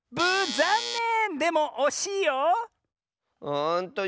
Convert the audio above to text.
ざんねん！